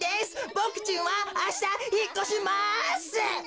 ボクちんはあしたひっこします！